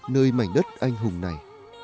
nơi mảnh đất anh hùng này